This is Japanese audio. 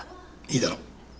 いいだろう。